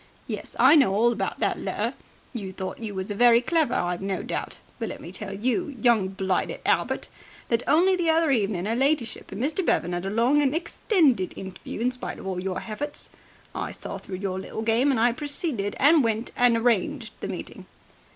Yes, I know all about that letter. You thought you was very clever, I've no doubt. But let me tell you, young blighted Albert, that only the other evening 'er ladyship and Mr. Bevan 'ad a long and extended interview in spite of all your hefforts. I saw through your little game, and I proceeded and went and arranged the meeting."